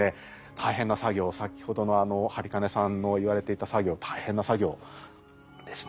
大変な作業を先ほどの播金さんの言われていた作業大変な作業ですね。